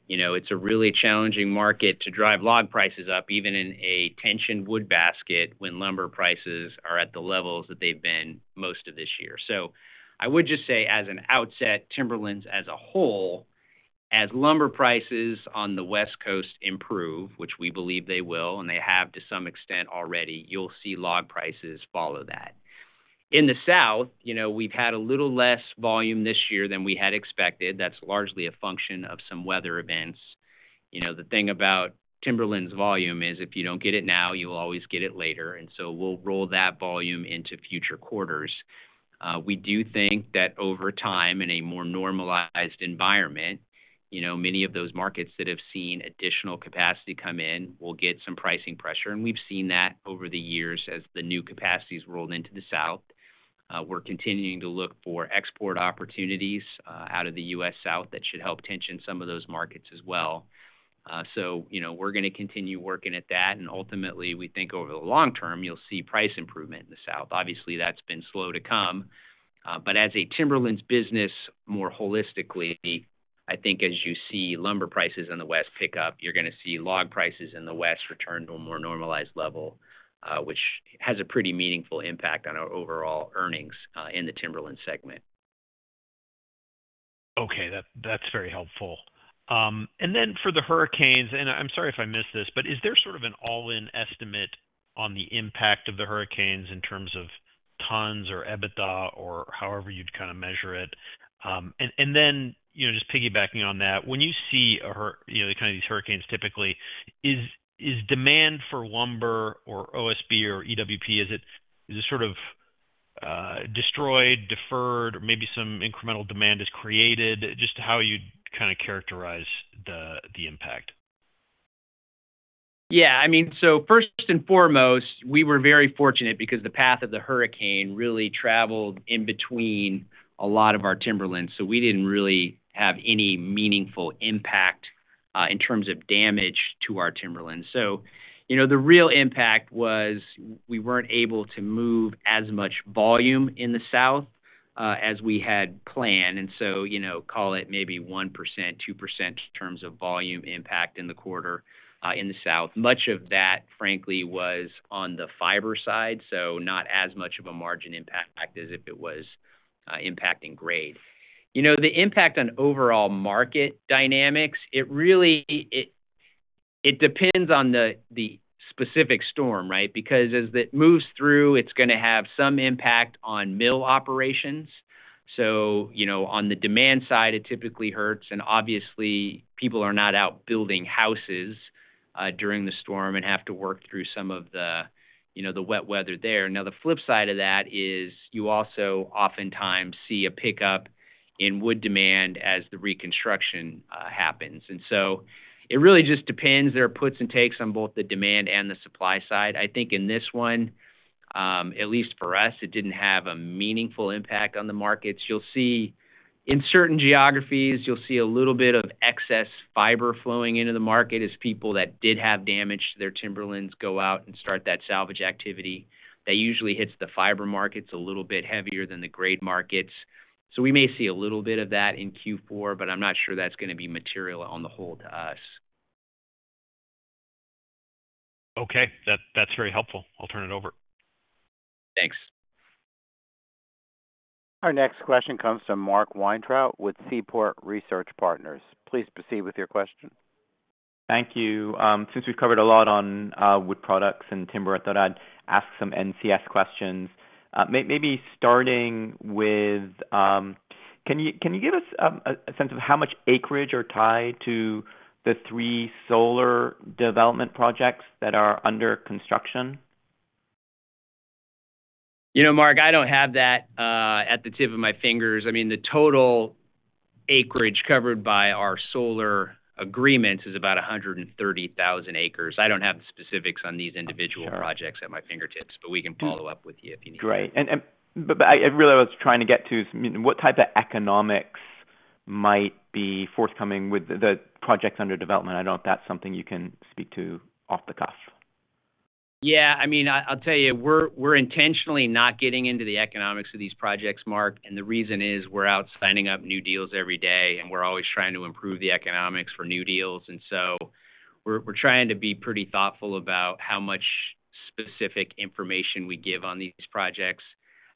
you know, it's a really challenging market to drive log prices up, even in a tensioned wood basket, when lumber prices are at the levels that they've been most of this year. So I would just say as an outset, Timberlands as a whole, as lumber prices on the West Coast improve, which we believe they will, and they have to some extent already, you'll see log prices follow that. In the South, you know, we've had a little less volume this year than we had expected. That's largely a function of some weather events. You know, the thing about Timberlands volume is, if you don't get it now, you will always get it later, and so we'll roll that volume into future quarters. We do think that over time, in a more normalized environment, you know, many of those markets that have seen additional capacity come in will get some pricing pressure, and we've seen that over the years as the new capacities rolled into the South. We're continuing to look for export opportunities out of the U.S. South. That should help tension some of those markets as well. So, you know, we're gonna continue working at that, and ultimately, we think over the long term, you'll see price improvement in the South. Obviously, that's been slow to come, but as a Timberlands business, more holistically, I think as you see lumber prices in the West pick up, you're gonna see log prices in the West return to a more normalized level, which has a pretty meaningful impact on our overall earnings, in the Timberlands segment. Okay, that's very helpful. And then for the hurricanes, and I'm sorry if I missed this, but is there sort of an all-in estimate on the impact of the hurricanes in terms of tons or EBITDA or however you'd kind of measure it? And then, you know, just piggybacking on that, when you see a hurricane, you know, kind of these hurricanes typically, is demand for lumber or OSB or EWP sort of destroyed, deferred, or maybe some incremental demand is created? Just how you'd kind of characterize the impact. Yeah, I mean, so first and foremost, we were very fortunate because the path of the hurricane really traveled in between a lot of our Timberlands, so we didn't really have any meaningful impact in terms of damage to our Timberlands. So, you know, the real impact was we weren't able to move as much volume in the South as we had planned, and so, you know, call it maybe 1%, 2% in terms of volume impact in the quarter in the South. Much of that, frankly, was on the fiber side, so not as much of a margin impact as if it was impacting grade. You know, the impact on overall market dynamics, it really... It, it depends on the, the specific storm, right? Because as it moves through, it's gonna have some impact on mill operations. So, you know, on the demand side, it typically hurts, and obviously, people are not out building houses during the storm and have to work through some of the, you know, the wet weather there. Now, the flip side of that is you also oftentimes see a pickup in wood demand as the reconstruction happens, and so it really just depends. There are puts and takes on both the demand and the supply side. I think in this one, at least for us, it didn't have a meaningful impact on the markets. You'll see in certain geographies, you'll see a little bit of excess fiber flowing into the market as people that did have damage to their Timberlands go out and start that salvage activity. That usually hits the fiber markets a little bit heavier than the grade markets. So we may see a little bit of that in Q4, but I'm not sure that's gonna be material on the whole to us. Okay, that's very helpful. I'll turn it over. Thanks. Our next question comes from Mark Weintraub with Seaport Research Partners. Please proceed with your question. Thank you. Since we've covered a lot on Wood Products and timber, I thought I'd ask some NCS questions. Maybe starting with, can you give us a sense of how much acreage are tied to the three solar development projects that are under construction? You know, Mark, I don't have that at the tip of my fingers. I mean, the total acreage covered by our solar agreements is about 130,000 acres. I don't have the specifics on these individual projects at my fingertips, but we can follow up with you if you need. Great. I really was trying to get to is, I mean, what type of economics might be forthcoming with the projects under development? I don't know if that's something you can speak to off the cuff. Yeah, I mean, I'll tell you, we're intentionally not getting into the economics of these projects, Mark, and the reason is, we're out signing up new deals every day, and we're always trying to improve the economics for new deals, and so we're trying to be pretty thoughtful about how much specific information we give on these projects.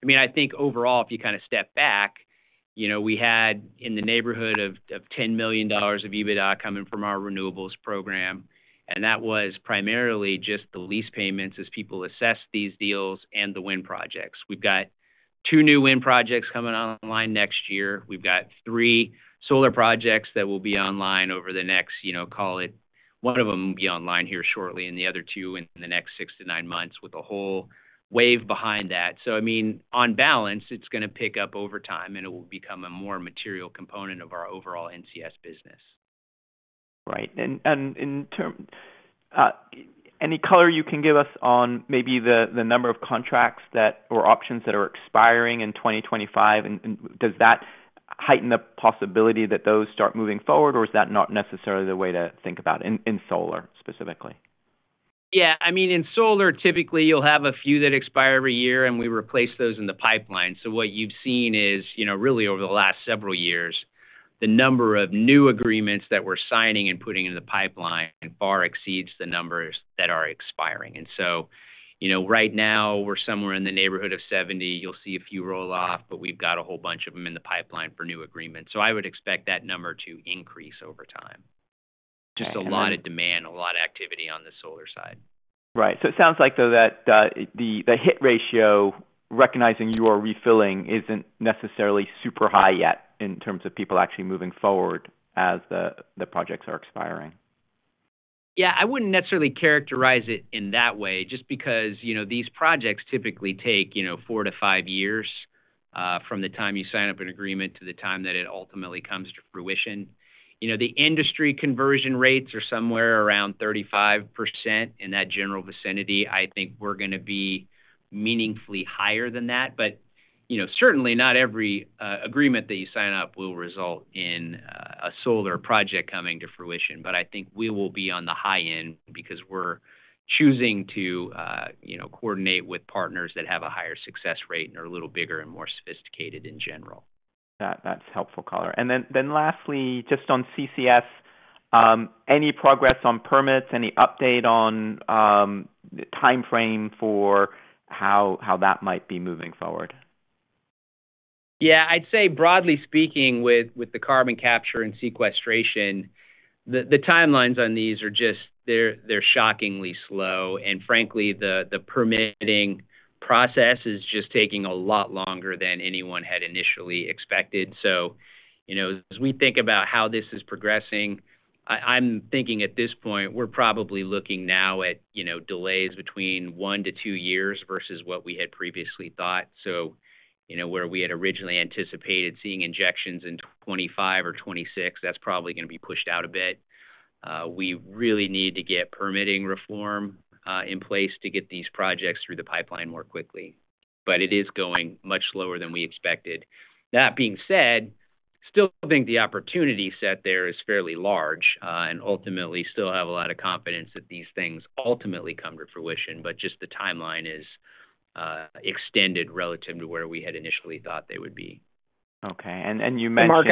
I mean, I think overall, if you kind of step back, you know, we had in the neighborhood of $10 million of EBITDA coming from our renewables program, and that was primarily just the lease payments as people assess these deals and the wind projects. We've got two new wind projects coming online next year. We've got three solar projects that will be online over the next, you know, call it one of them will be online here shortly and the other two in the next six to nine months, with a whole wave behind that, so I mean, on balance, it's gonna pick up over time, and it will become a more material component of our overall NCS business. Right. And in terms, any color you can give us on maybe the number of contracts that, or options that are expiring in 2025, and does that heighten the possibility that those start moving forward, or is that not necessarily the way to think about in solar, specifically? Yeah. I mean, in solar, typically, you'll have a few that expire every year, and we replace those in the pipeline. So what you've seen is, you know, really over the last several years, the number of new agreements that we're signing and putting in the pipeline far exceeds the numbers that are expiring. And so, you know, right now we're somewhere in the neighborhood of 70. You'll see a few roll off, but we've got a whole bunch of them in the pipeline for new agreements. So I would expect that number to increase over time. Just a lot of demand, a lot of activity on the solar side. Right. So it sounds like, though, that the hit ratio, recognizing you are refilling, isn't necessarily super high yet in terms of people actually moving forward as the projects are expiring. Yeah, I wouldn't necessarily characterize it in that way, just because, you know, these projects typically take, you know, four to five years from the time you sign up an agreement to the time that it ultimately comes to fruition. You know, the industry conversion rates are somewhere around 35%. In that general vicinity, I think we're gonna be meaningfully higher than that. But, you know, certainly not every agreement that you sign up will result in a solar project coming to fruition. But I think we will be on the high end because we're choosing to, you know, coordinate with partners that have a higher success rate and are a little bigger and more sophisticated in general. That, that's helpful color. And then lastly, just on CCS, any progress on permits? Any update on the timeframe for how that might be moving forward? Yeah, I'd say broadly speaking, with the carbon capture and sequestration, the timelines on these are just, they're shockingly slow, and frankly, the permitting process is just taking a lot longer than anyone had initially expected. So, you know, as we think about how this is progressing, I'm thinking at this point, we're probably looking now at, you know, delays between one to two years versus what we had previously thought. So, you know, where we had originally anticipated seeing injections in 2025 or 2026, that's probably gonna be pushed out a bit. We really need to get permitting reform in place to get these projects through the pipeline more quickly, but it is going much slower than we expected. That being said, still think the opportunity set there is fairly large, and ultimately, still have a lot of confidence that these things ultimately come to fruition, but just the timeline is extended relative to where we had initially thought they would be. Okay. And you mentioned Mark,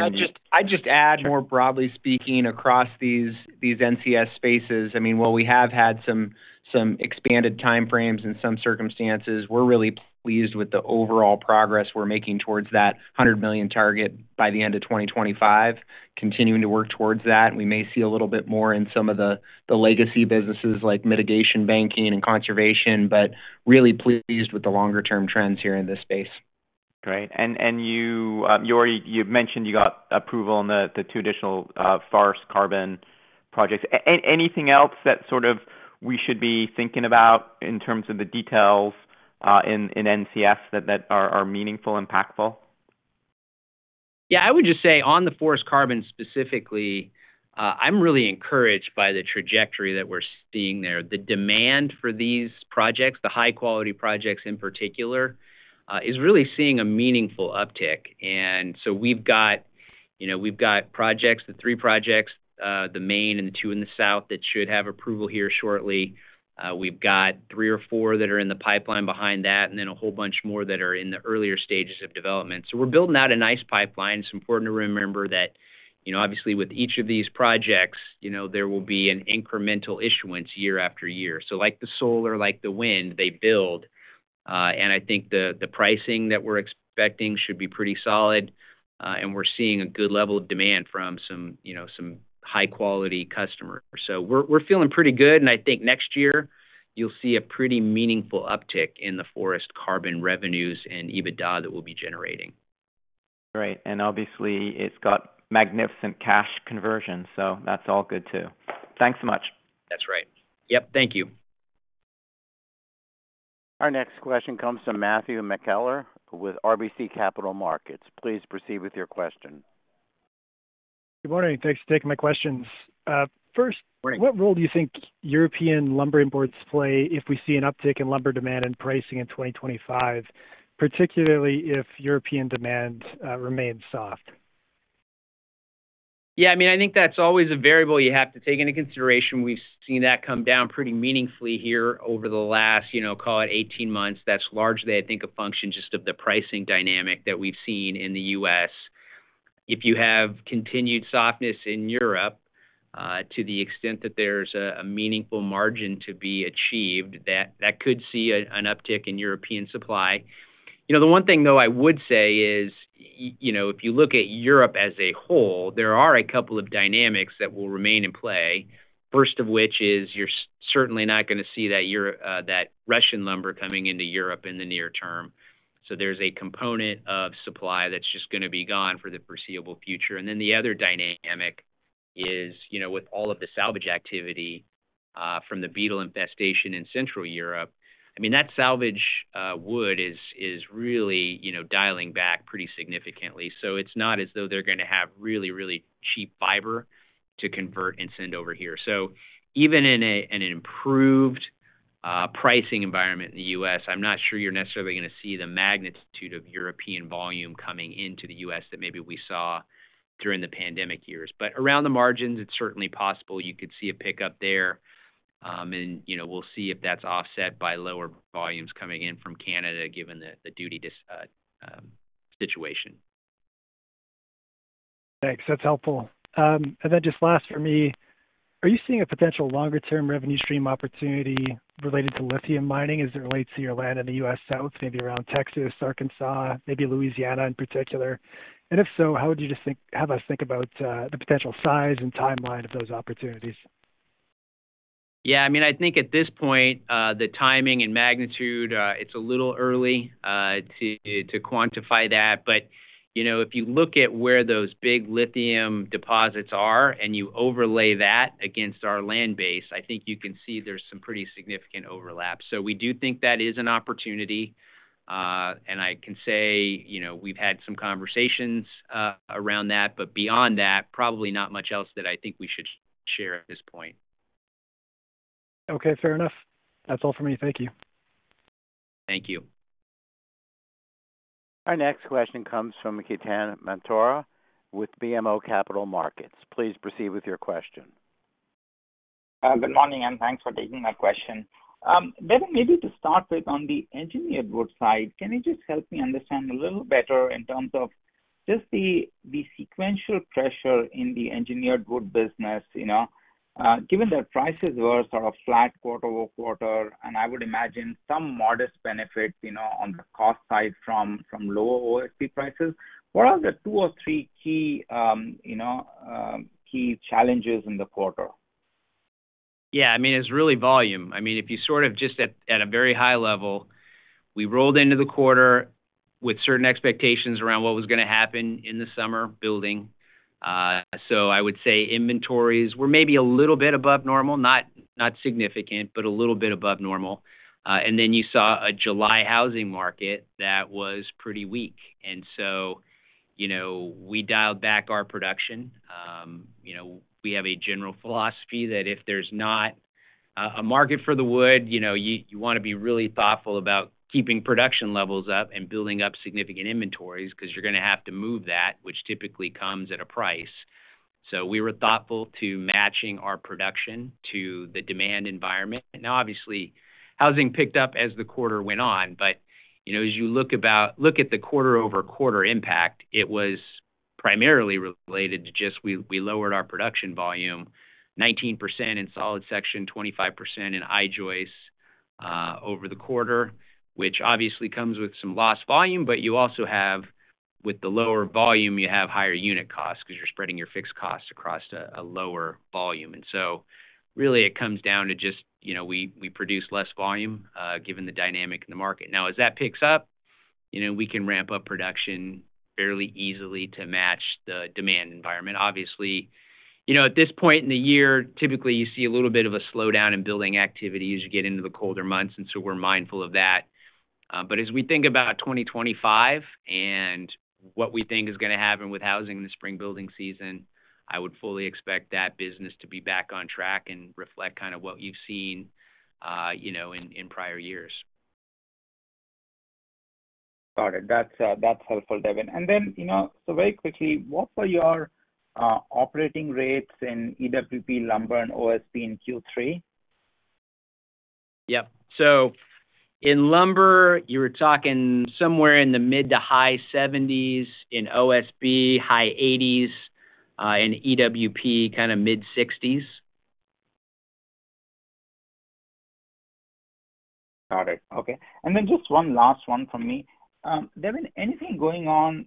I'd just add, more broadly speaking, across these NCS spaces, I mean, while we have had some expanded timeframes in some circumstances, we're really pleased with the overall progress we're making towards that $100 million target by the end of 2025. Continuing to work towards that, we may see a little bit more in some of the legacy businesses like Mitigation Banking and Conservation, but really pleased with the longer-term trends here in this space. Great. And you already, you've mentioned you got approval on the two additional forest carbon projects. Anything else that sort of we should be thinking about in terms of the details in NCS that are meaningful, impactful? Yeah, I would just say on the forest carbon specifically, I'm really encouraged by the trajectory that we're seeing there. The demand for these projects, the high-quality projects in particular, is really seeing a meaningful uptick. And so we've got, you know, we've got projects, the three projects, the main and the two in the South, that should have approval here shortly. We've got three or four that are in the pipeline behind that, and then a whole bunch more that are in the earlier stages of development. So we're building out a nice pipeline. It's important to remember that, you know, obviously, with each of these projects, you know, there will be an incremental issuance year after year. So like the solar, like the wind, they build. And I think the pricing that we're expecting should be pretty solid, and we're seeing a good level of demand from some, you know, some high-quality customers. So we're feeling pretty good, and I think next year you'll see a pretty meaningful uptick in the forest carbon revenues and EBITDA that we'll be generating. Great, and obviously, it's got magnificent cash conversion, so that's all good, too. Thanks so much. That's right. Yep, thank you. Our next question comes from Matthew McKellar with RBC Capital Markets. Please proceed with your question. Good morning. Thanks for taking my questions. First- Great. What role do you think European lumber and boards play if we see an uptick in lumber demand and pricing in 2025, particularly if European demand remains soft? Yeah, I mean, I think that's always a variable you have to take into consideration. We've seen that come down pretty meaningfully here over the last, you know, call it eighteen months. That's largely, I think, a function just of the pricing dynamic that we've seen in the U.S. If you have continued softness in Europe, to the extent that there's a meaningful margin to be achieved, that could see an uptick in European supply. You know, the one thing, though, I would say is, you know, if you look at Europe as a whole, there are a couple of dynamics that will remain in play. First of which is, you're certainly not gonna see that Russian lumber coming into Europe in the near term. So there's a component of supply that's just gonna be gone for the foreseeable future. And then the other dynamic is, you know, with all of the salvage activity from the beetle infestation in Central Europe, I mean, that salvage wood is really, you know, dialing back pretty significantly. So it's not as though they're gonna have really, really cheap fiber to convert and send over here. So even in an improved pricing environment in the U.S., I'm not sure you're necessarily gonna see the magnitude of European volume coming into the U.S. that maybe we saw during the pandemic years. But around the margins, it's certainly possible you could see a pickup there, and, you know, we'll see if that's offset by lower volumes coming in from Canada, given the duty dispute situation. Thanks. That's helpful. And then just last for me, are you seeing a potential longer-term revenue stream opportunity related to lithium mining as it relates to your land in the U.S. South, maybe around Texas, Arkansas, maybe Louisiana in particular? And if so, how would you have us think about the potential size and timeline of those opportunities? Yeah, I mean, I think at this point, the timing and magnitude, it's a little early, to quantify that, but, you know, if you look at where those big lithium deposits are and you overlay that against our land base, I think you can see there's some pretty significant overlap... So we do think that is an opportunity, and I can say, you know, we've had some conversations, around that, but beyond that, probably not much else that I think we should share at this point. Okay, fair enough. That's all for me. Thank you. Thank you. Our next question comes from Ketan Mamtora with BMO Capital Markets. Please proceed with your question. Good morning, and thanks for taking my question. Devin, maybe to start with, on the Engineered Wood side, can you just help me understand a little better in terms of just the sequential pressure in the Engineered Wood business, you know? Given that prices were sort of flat quarter-over-quarter, and I would imagine some modest benefits, you know, on the cost side from lower OSB prices, what are the two or three key, you know, key challenges in the quarter? Yeah, I mean, it's really volume. I mean, if you sort of just at a very high level, we rolled into the quarter with certain expectations around what was gonna happen in the summer building. So I would say inventories were maybe a little bit above normal, not significant, but a little bit above normal. And then you saw a July housing market that was pretty weak. And so, you know, we dialed back our production. You know, we have a general philosophy that if there's not a market for the wood, you know, you wanna be really thoughtful about keeping production levels up and building up significant inventories, 'cause you're gonna have to move that, which typically comes at a price. So we were thoughtful to matching our production to the demand environment. Now, obviously, housing picked up as the quarter went on, but, you know, as you look at the quarter-over-quarter impact, it was primarily related to just we lowered our production volume 19% in solid section, 25% in I-joist over the quarter, which obviously comes with some lost volume, but you also have, with the lower volume, you have higher unit costs because you're spreading your fixed costs across a lower volume. So really it comes down to just, you know, we produce less volume given the dynamic in the market. Now, as that picks up, you know, we can ramp up production fairly easily to match the demand environment. Obviously, you know, at this point in the year, typically you see a little bit of a slowdown in building activity as you get into the colder months, and so we're mindful of that. But as we think about 2025 and what we think is gonna happen with housing in the spring building season, I would fully expect that business to be back on track and reflect kind of what you've seen, you know, in prior years. Got it. That's, that's helpful, Devin. And then, you know, so very quickly, what were your operating rates in EWP lumber and OSB in Q3? Yep. So in lumber, you were talking somewhere in the mid- to high-seventies, in OSB, high eighties, in EWP, kind of mid-sixties. Got it. Okay. And then just one last one from me. Devin, anything going on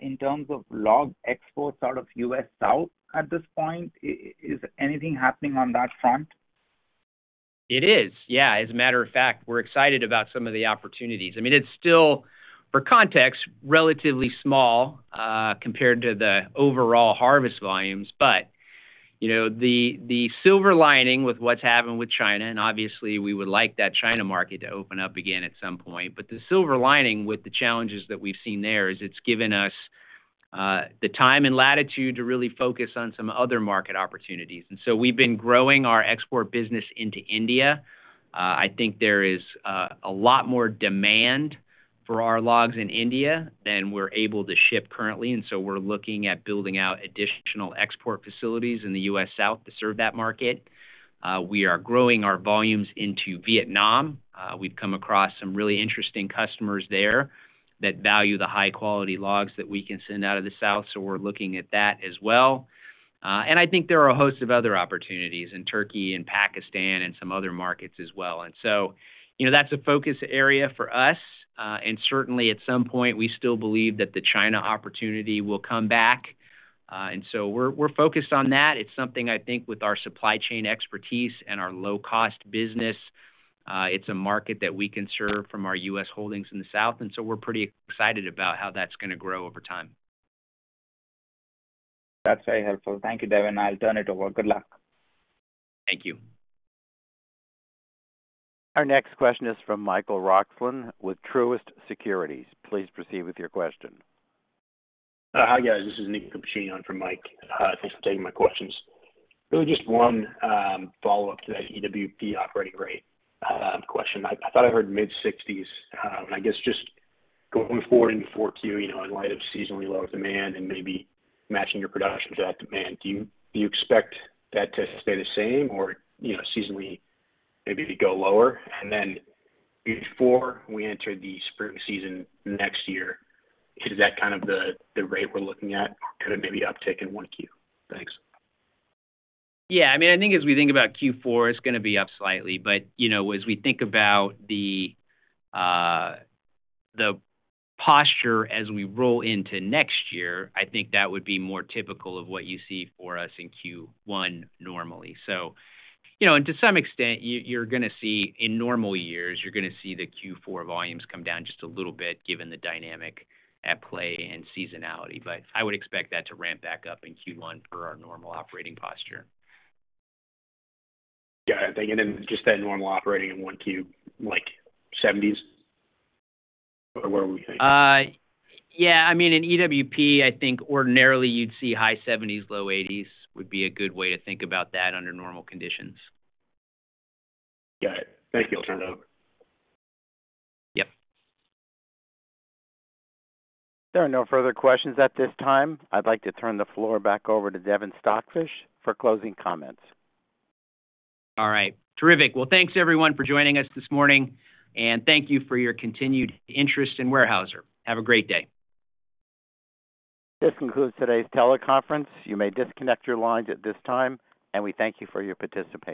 in terms of log exports out of U.S. South at this point? Is anything happening on that front? It is, yeah. As a matter of fact, we're excited about some of the opportunities. I mean, it's still, for context, relatively small compared to the overall harvest volumes. But, you know, the silver lining with what's happened with China, and obviously we would like that China market to open up again at some point, but the silver lining with the challenges that we've seen there is it's given us the time and latitude to really focus on some other market opportunities. And so we've been growing our export business into India. I think there is a lot more demand for our logs in India than we're able to ship currently, and so we're looking at building out additional export facilities in the U.S. South to serve that market. We are growing our volumes into Vietnam. We've come across some really interesting customers there that value the high quality logs that we can send out of the South, so we're looking at that as well. And I think there are a host of other opportunities in Turkey and Pakistan and some other markets as well. And so, you know, that's a focus area for us. And certainly at some point, we still believe that the China opportunity will come back, and so we're focused on that. It's something I think with our supply chain expertise and our low-cost business, it's a market that we can serve from our U.S. holdings in the South, and so we're pretty excited about how that's gonna grow over time. That's very helpful. Thank you, Devin. I'll turn it over. Good luck. Thank you. Our next question is from Michael Roxland with Truist Securities. Please proceed with your question. Hi, guys. This is Nick Campanella for Mike. Thanks for taking my questions. Really just one, follow-up to that EWP operating rate, question. I thought I heard mid-sixties. And I guess just going forward into 4Q, you know, in light of seasonally lower demand and maybe matching your production to that demand, do you expect that to stay the same or, you know, seasonally maybe go lower? Before we enter the spring season next year, is that kind of the rate we're looking at, or could it maybe uptick in 1Q? Thanks. Yeah, I mean, I think as we think about Q4, it's gonna be up slightly. But, you know, as we think about the posture as we roll into next year, I think that would be more typical of what you see for us in Q1 normally. So, you know, and to some extent, you, you're gonna see... in normal years, you're gonna see the Q4 volumes come down just a little bit, given the dynamic at play and seasonality. But I would expect that to ramp back up in Q1 for our normal operating posture. Yeah, I think, and then just that normal operating in one Q, like seventies? Or what are we thinking? Yeah, I mean, in EWP, I think ordinarily you'd see high seventies, low eighties, would be a good way to think about that under normal conditions. Got it. Thank you. I'll turn it over. Yep. There are no further questions at this time. I'd like to turn the floor back over to Devin Stockfish for closing comments. All right. Terrific. Well, thanks everyone for joining us this morning, and thank you for your continued interest in Weyerhaeuser. Have a great day. This concludes today's teleconference. You may disconnect your lines at this time, and we thank you for your participation.